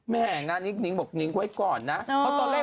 แม่งนะนี่นิ้งบอกนิ้งไว้ก่อนนะ